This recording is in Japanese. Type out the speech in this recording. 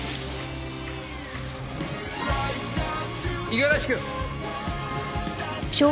五十嵐君！